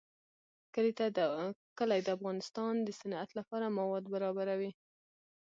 کلي د افغانستان د صنعت لپاره مواد برابروي.